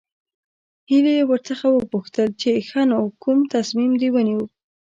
هيلې ورڅخه وپوښتل چې ښه نو کوم تصميم دې ونيو.